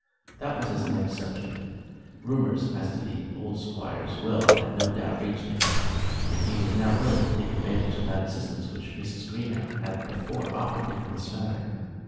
That was his next subject. Rumours as to the old Squire's will had no doubt reached him, and he was now willing to take advantage of that assistance which Mrs. Greenow had before offered him in this matter.